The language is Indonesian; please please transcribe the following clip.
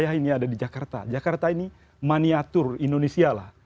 hanya ada di jakarta jakarta ini maniatur indonesia lah